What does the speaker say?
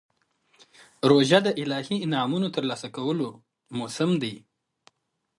روژه د الهي انعامونو ترلاسه کولو موسم دی.